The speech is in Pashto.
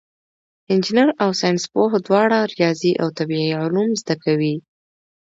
انجینر او ساینسپوه دواړه ریاضي او طبیعي علوم زده کوي.